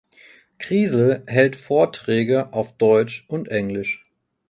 Kriesel hält Vorträge auf Deutsch und Englisch.